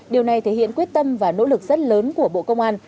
điều này thể hiện quyết tâm và nỗ lực rất lớn của bộ công an